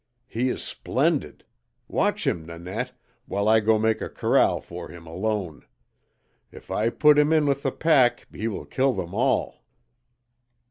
He is splendid! Watch him, Nanette, while I go make a corral for him alone. If I put him in with the pack he will kill them all."